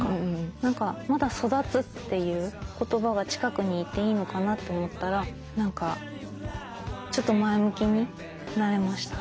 何かまだ「育つ」という言葉が近くにいていいのかなと思ったら何かちょっと前向きになれました。